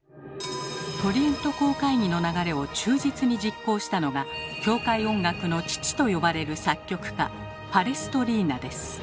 トリエント公会議の流れを忠実に実行したのが「教会音楽の父」と呼ばれる作曲家パレストリーナです。